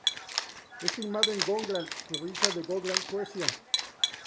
Es filmada en Gotland, Provincia de Gotland, Suecia.